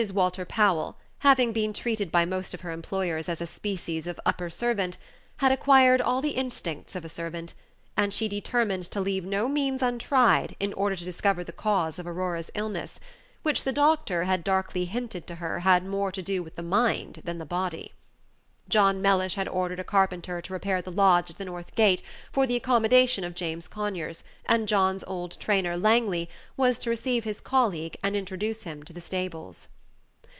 Walter Powell, having been treated by most of her employers as a species of upper servant, had acquired all the instincts of a servant, and she determined to leave no means untried in order to discover the cause of Aurora's illness, which the doctor had darkly hinted to her had more to do with the mind than the body. John Mellish had ordered a carpenter to repair the lodge at the north gate for the accommodation of James Conyers, and John's old trainer, Langley, was to receive his colleague and introduce him to the stables.